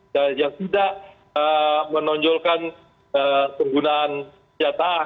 dan yang tidak menonjolkan penggunaan kejataan